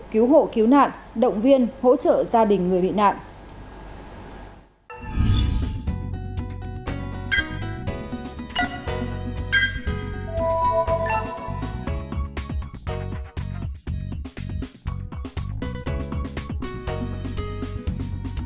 cứu hộ cứu nạn động viên hỗ trợ gia đình người bị nạn